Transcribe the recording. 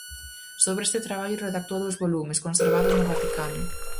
Sobre este traballo redactou dous volumes, conservados no Vaticano.